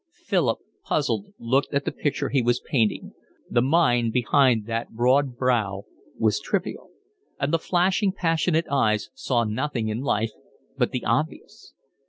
Philip, puzzled, looked at the picture he was painting: the mind behind that broad brow was trivial; and the flashing, passionate eyes saw nothing in life but the obvious.